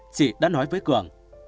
chị đã nói với cường